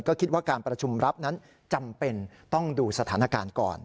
ก็คิดว่าการประชุมรับนั้นจำเป็นต้องดูสถานการณ์ก่อน